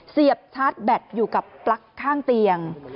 เสียบชาร์จแบตอยู่กับปลั๊กข้างเตียง